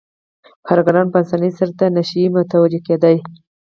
کارګران په اسانۍ سره دې ته نشي متوجه کېدای